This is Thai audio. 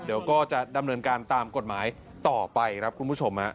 เดี๋ยวก็จะดำเนินการตามกฎหมายต่อไปครับคุณผู้ชม